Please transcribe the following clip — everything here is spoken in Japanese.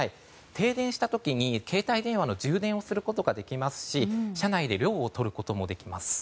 停電した時に携帯電話の充電をすることができますし車内で涼をとることもできます。